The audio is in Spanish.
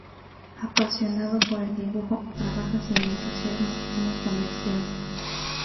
Apasionado por el dibujo, trabaja sin entusiasmo como comercial.